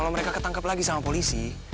kalau mereka ketangkep lagi sama polisi